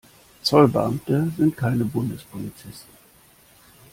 Zollbeamte sind keine Bundespolizisten.